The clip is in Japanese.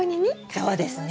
そうですね。